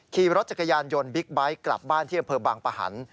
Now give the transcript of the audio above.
ขี่รถจักรยานยนต์บิ๊กไบท์กลับบ้านที่อำเภอบางปะหัน